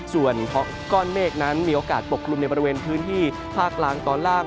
ส่วนก้อนเมฆนั้นมีโอกาสปกกลุ่มในบริเวณพื้นที่ภาคล่างตอนล่าง